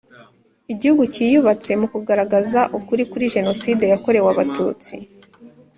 Igihugu cyiyubatse mu kugaragaza ukuri kuri Jenoside yakorewe Abatutsi